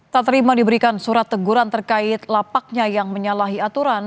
tak terima diberikan surat teguran terkait lapaknya yang menyalahi aturan